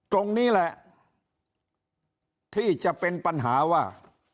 ตรงนี้แหละที่จะเป็นปัญหาว่า